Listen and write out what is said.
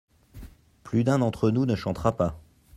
Plus d’un d’entre nous ne chantera pas.